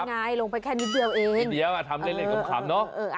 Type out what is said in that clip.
ไงลงไปแค่นิดเดียวเองนิดเดียวทำเล่นขำเนอะ